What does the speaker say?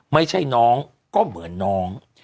ไม่ใช่น้องก็เหมือนน้อง